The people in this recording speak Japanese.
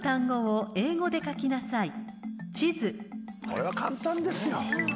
これは簡単ですよ。